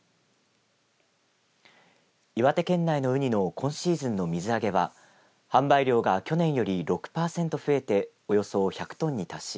岩手県内のうにの今シーズンの水揚げは販売量が去年より６パーセント増えておよそ１００トンに達し